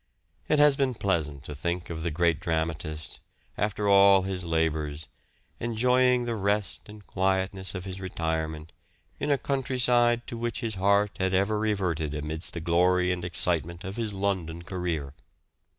It has been pleasant to think of the great dramatist, after all his labours, enjoying the rest and quietness of his retirement in a countryside to which his heart had ever reverted amidst the glory and excitement of his London career.